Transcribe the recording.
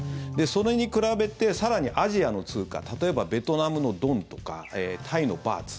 それに比べて更にアジアの通貨例えば、ベトナムのドンとかタイのバーツ。